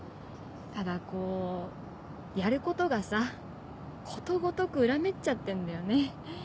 ただこうやることがさことごとく裏目っちゃってんだよね。